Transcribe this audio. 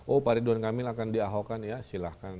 oh pak ridwan kamil akan di ahokan ya silahkan